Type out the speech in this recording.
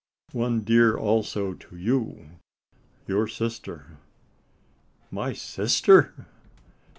"One dear also to you your sister!" "My sister!"